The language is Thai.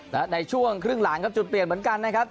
และในช่วงครึ่งหลังครับจุดเปลี่ยนเหมือนกันนะครับ